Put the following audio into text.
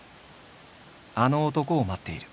あの男を待っている。